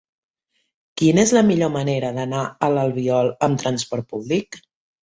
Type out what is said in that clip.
Quina és la millor manera d'anar a l'Albiol amb trasport públic?